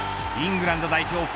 イングランド代表